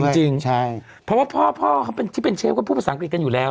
จริงใช่เพราะว่าพ่อเขาเป็นที่เป็นเชฟก็พูดภาษาอังกฤษกันอยู่แล้ว